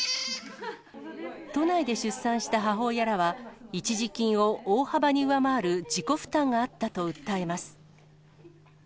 都内で出産した母親らは一時金を大幅に上回る自己負担があったと訴えます。